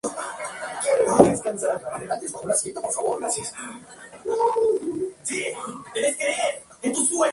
En esta primera etapa el servicio cubría esencialmente trayectos de larga distancia.